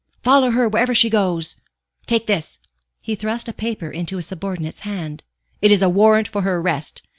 Follow her wherever she goes. Take this," he thrust a paper into his subordinate's hand. "It is a warrant for her arrest.